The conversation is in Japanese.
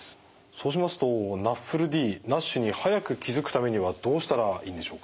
そうしますとＮＡＦＬＤＮＡＳＨに早く気付くためにはどうしたらいいんでしょうか？